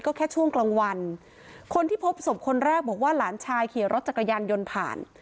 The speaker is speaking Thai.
ก็แค่ช่วงกลางวันคนที่พบศพคนแรกบอกว่าหลานชายขี่รถจักรยานยนต์ผ่าน